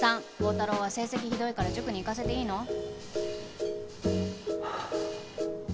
３高太郎は成績ひどいから塾に行かせていいの？